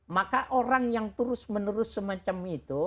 maka orang yang terus menerus semacam itu